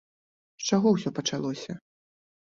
З чаго ўсё пачалося?